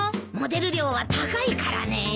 モデル料は高いからね。